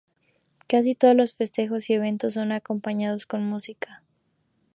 Casi todos los festejos y eventos son acompañados con música.